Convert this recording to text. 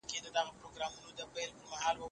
مسلمانان باید د خپل پیغمبر پیروي وکړي.